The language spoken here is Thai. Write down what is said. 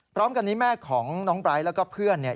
พร้อมกันนี้แม่ของน้องไบร์ทแล้วก็เพื่อนเนี่ย